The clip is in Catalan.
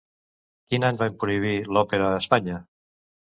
Quin any van prohibir l'òpera a Espanya?